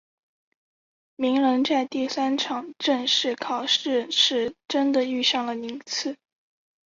鸣人在第三场正式考试时真的遇上了宁次。